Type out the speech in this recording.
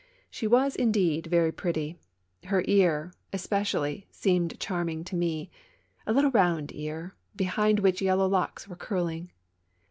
She was, indeed, very pretty. Her ear, especially, seemed charming to me — a little round ear, behind which yellow locks were curling.